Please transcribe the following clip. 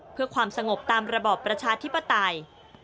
เพื่อความสงบตามระบอบประชาธิปไตย